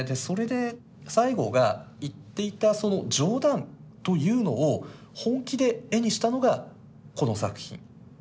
それで西郷が言っていたその冗談というのを本気で絵にしたのがこの作品。